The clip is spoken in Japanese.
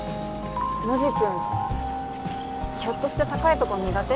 ノジ君ひょっとして高いとこ苦手？